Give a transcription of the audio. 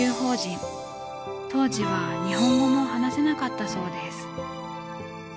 当時は日本語も話せなかったそうです。